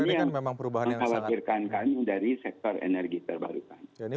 ini yang mengkhawatirkan kami dari sektor energi terbarukan